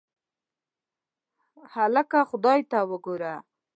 هکله خدای ته وګوره.